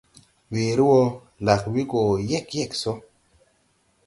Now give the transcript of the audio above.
Weere wɔ, lag we go yeg yeg sɔ.